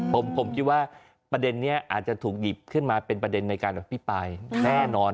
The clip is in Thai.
ผมคิดว่าประเด็นนี้อาจจะถูกหยิบขึ้นมาเป็นประเด็นในการอภิปรายแน่นอน